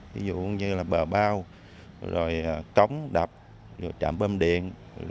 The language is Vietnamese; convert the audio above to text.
ví dụ như bờ bao cống đập trạm bơm điện